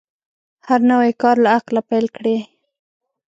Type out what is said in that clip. هر نوی کار له عقله پیل کړئ.